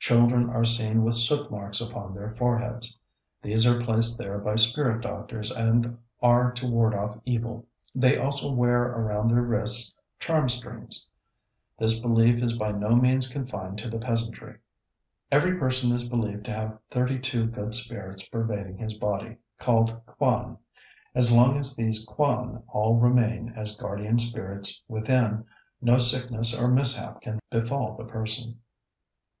Children are seen with soot marks upon their foreheads. These are placed there by spirit doctors and are to ward off evil. They also wear around their wrists charm strings. This belief is by no means confined to the peasantry. Every person is believed to have thirty two good spirits pervading his body, called kwan. As long as these kwan all remain as guardian spirits within, no sickness or mishap can befall the person.